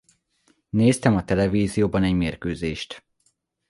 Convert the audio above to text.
Néztem a televízióban egy mérkőzést.